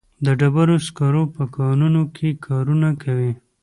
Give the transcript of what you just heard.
د ډبرو سکرو په کانونو کې کارونه کوي.